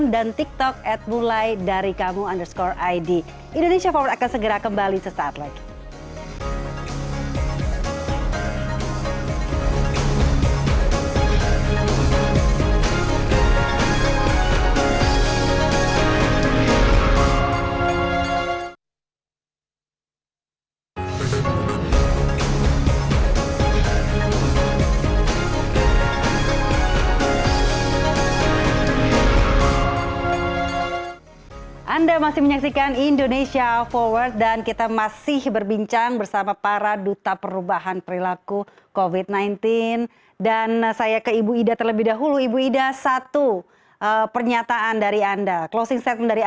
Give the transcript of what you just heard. dan tentunya pemirsa kami juga ajak anda untuk berkongsi